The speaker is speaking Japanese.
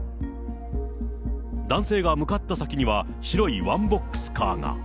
男性が向かった先には白いワンボックスカーが。